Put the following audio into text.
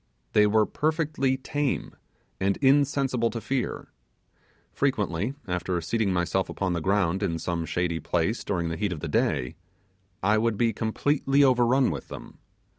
They were perfectly tame and insensible to fear. Frequently, after seating myself upon the ground in some shady place during the heat of the day, I would be completely overrun with them.